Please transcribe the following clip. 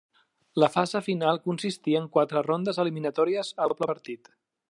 La fase final consistí en quatre rondes eliminatòries a doble partit.